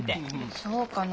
そうかな。